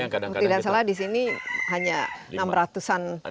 kalau tidak salah di sini hanya enam ratus an